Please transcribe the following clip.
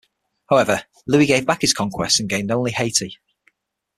However, Louis gave back his conquests and gained only Haiti.